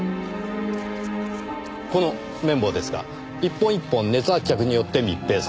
この綿棒ですが一本一本熱圧着によって密閉されています。